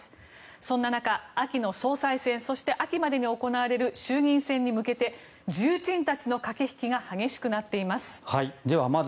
そんな中、秋の総裁選そして秋までに行われる衆議院選に向けて重鎮たちの駆け引きが激しくなっています。